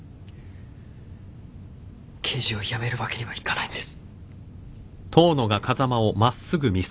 刑事を辞めるわけにはいかないんです。